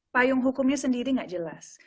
payung hukumnya sendiri nggak jelas